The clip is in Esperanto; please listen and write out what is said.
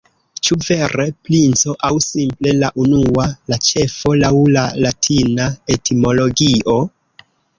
Ĉu vere princo, aŭ simple la unua, la ĉefo, laŭ la latina etimologio?